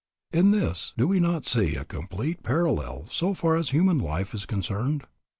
In this do we not see a complete parallel so far as human life is concerned?